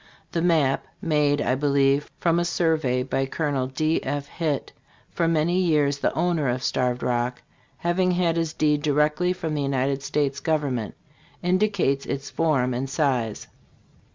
The map* made, I believe, from a survey by Col. D. F. Hitt, for many years the owner of Starved Rock, having had his deed directly from the United States government indicates its form and size.